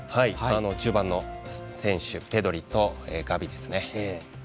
中盤の選手ペドリとガビですね。